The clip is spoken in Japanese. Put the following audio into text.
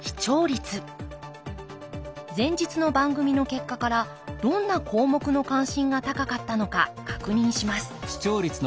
前日の番組の結果からどんな項目の関心が高かったのか確認します。